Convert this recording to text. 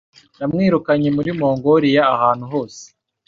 Namwirukanye muri Mongoliya, ahantu hose.